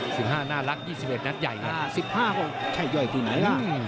สิบห้าน่ารักยี่สิบเอ็ดนัดใหญ่นะสิบห้าคนใช่ย่อยที่ไหนล่ะ